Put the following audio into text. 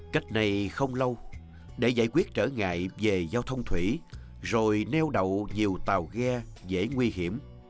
cách đây không lâu để giải quyết trở ngại về giao thông thủy rồi neo đậu nhiều tàu ghe dễ nguy hiểm